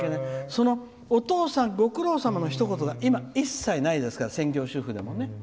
今はお父さん、ご苦労さまのひと言が一切ないですから専業主婦でもね。